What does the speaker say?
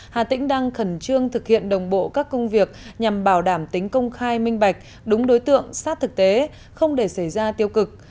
hà tĩnh đang khẩn trương thực hiện đồng bộ các công việc nhằm bảo đảm tính công khai minh bạch đúng đối tượng sát thực tế không để xảy ra tiêu cực